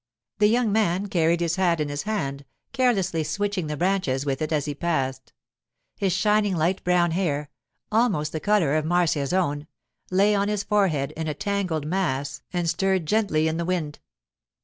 The young man carried his hat in his hand, carelessly switching the branches with it as he passed. His shining light brown hair—almost the colour of Marcia's own—lay on his forehead in a tangled mass and stirred gently in the wind.